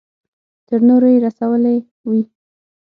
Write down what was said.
تر نورو يې رسولې وي.